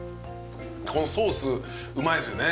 このソースうまいっすよね。